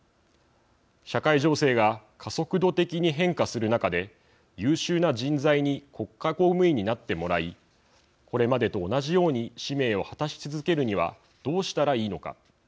社会情勢が加速度的に変化する中で優秀な人材に国家公務員になってもらいこれまでと同じように使命を果たし続けるにはどうしたらいいのか。